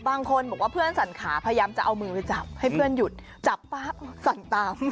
บางคนบอกว่าเพื่อนสั่นขาพยายามจะเอามือไปจับให้เพื่อนหยุดจับปั๊บสั่นตาม